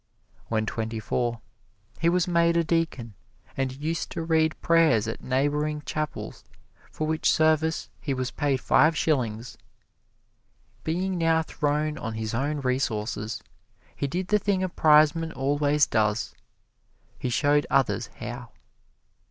When twenty four he was made a deacon and used to read prayers at neighboring chapels, for which service he was paid five shillings. Being now thrown on his own resources, he did the thing a prizeman always does: he showed others how.